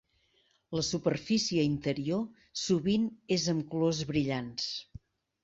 La superfície interior sovint és amb colors brillants.